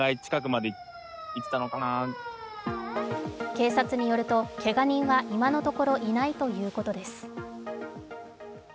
警察によると、けが人は今のところいないということです。